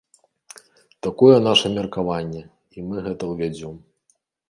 Такое наша меркаванне, і мы гэта ўвядзём.